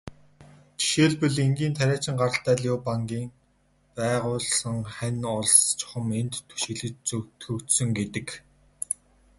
Жишээлбэл, энгийн тариачин гаралтай Лю Бангийн байгуулсан Хань улс чухам энд түшиглэж зөвтгөгдсөн гэдэг.